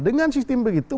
dengan sistem begitu